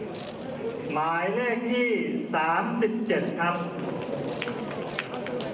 หมายแรกที่สามสิบเจ็ดครับ